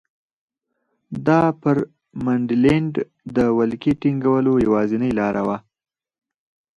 دا پر منډلینډ د ولکې ټینګولو یوازینۍ لاره وه.